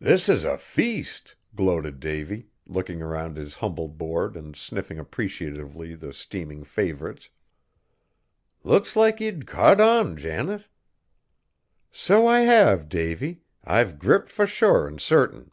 "This is a feast!" gloated Davy, looking around his humble board and sniffing appreciatively the steaming favorites. "Looks like ye'd caught on, Janet." "So I have, Davy, I've gripped for sure and certain."